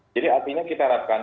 jadi artinya kita harapkan